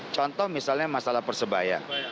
contoh misalnya masalah persebaya